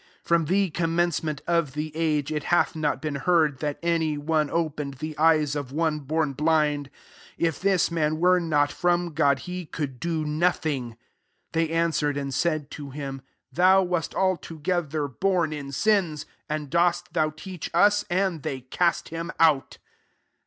32 Rrom the commencement of the age, it hath not been heard that any one opened the eyes of one bom blind. 33 If this man were not from God, he could do no thing.'' 35 They answered, and said to him, " Thou wast altogether bom in sins, and dost thou teach us ?" And they cast him out.